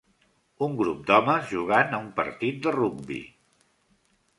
Un grup d'homes jugant a un partit de rugbi.